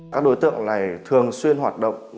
các đối tượng này thường xuyên hoạt động